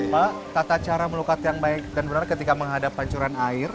pak tata cara melukat yang baik dan benar ketika menghadap pancuran air